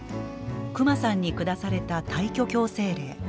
クマさんに下された退去強制令。